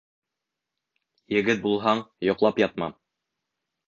Егет булһаң, йоҡлап ятма.